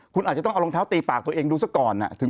คุณอาจจะต้องเอารองเท้าตีปากตัวเองดูซะก่อน